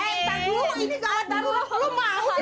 eh entar dulu ini gawat darurat lo mau sih